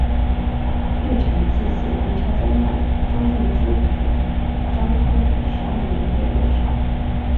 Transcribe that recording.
玉蟾记写明朝将军张经之子张昆与十二位美人的故事。